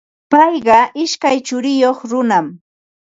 Payqa ishkay churiyuq runam.